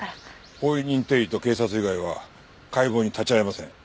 法医認定医と警察以外は解剖に立ち会えません。